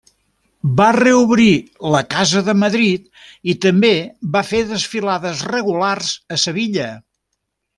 Va reobrir la casa de Madrid i, també, va fer desfilades regulars a Sevilla.